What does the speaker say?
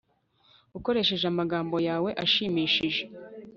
ukoresheje amagambo yawe ashimishije